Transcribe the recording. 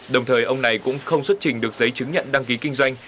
đồng thời ông này cũng không xuất trình được giấy chứng nhận đăng ký kinh doanh